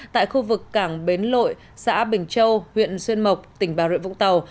tại khu vực cảng bến lội xã bình châu huyện xuyên mộc tỉnh bà rịa vũng tàu